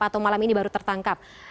atau malam ini baru tertangkap